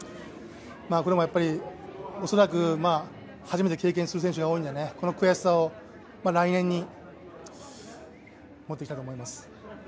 これもやっぱり恐らく初めて経験する選手が多いんでこの悔しさを来年に持っていきたいと思います。